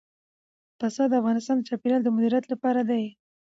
پسه د افغانستان د چاپیریال د مدیریت لپاره دي.